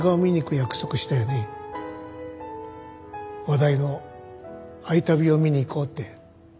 話題の『愛旅』を見に行こうって。